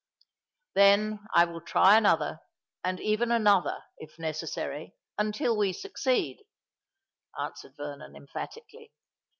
"Then I will try another—and even another, if necessary, until we succeed," answered Vernon, emphatically.